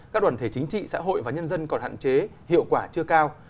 các đoàn thể chính trị xã hội và nhân dân còn hạn chế hiệu quả chưa cao